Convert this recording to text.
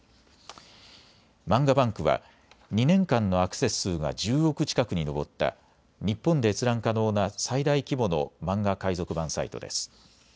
漫画ＢＡＮＫは２年間のアクセス数が１０億近くに上った日本で閲覧可能な最大規模の漫画海賊版サイトです。